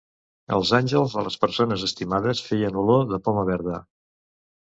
Els àngels de les persones estimades feien olor de poma verda.